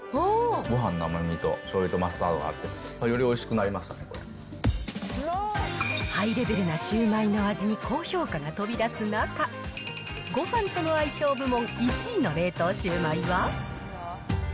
ごはんの甘みとしょうゆとマスタードが合って、ハイレベルなシュウマイの味に高評価が飛び出す中、ごはんとの相性部門１位の冷凍シュウマイは。